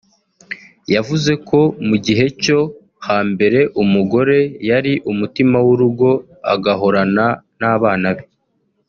yavuze ko mu gihe cyo ha mbere umugore yari umutima w’urugo agahorana n’abana be